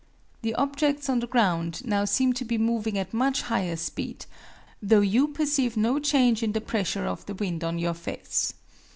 The objects on the ground now seem to be moving at much higher speed, though you perceive no change in the pressure of the wind on your face.